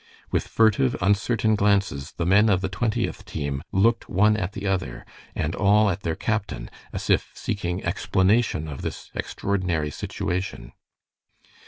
With furtive, uncertain glances the men of the Twentieth team looked one at the other, and all at their captain, as if seeking explanation of this extraordinary situation.